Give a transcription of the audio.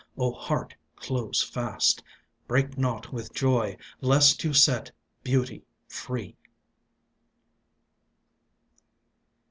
O heart, close fast! Break not with joy, lest you set Beauty free!